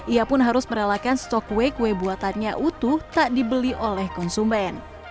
ia pun harus merelakan stok kue kue buatannya utuh tak dibeli oleh konsumen